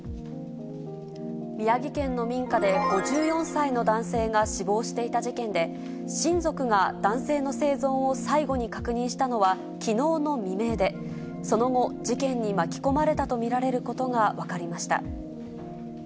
宮城県の民家で、５４歳の男性が死亡していた事件で、親族が男性の生存を最後に確認したのは、きのうの未明で、その後、事件に巻き込まれたと見られることが分かりました。